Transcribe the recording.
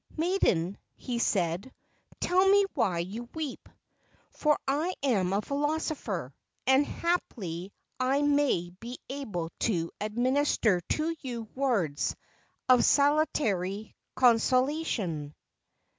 "Maiden," he said, "tell me why you weep. For I am a philosopher, and haply I may be able to ad minister to you words of salutary consolation."